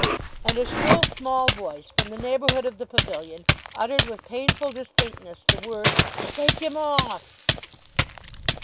And a shrill small voice, from the neighbourhood of the pavilion, uttered with painful distinctness the words, "Take him off!"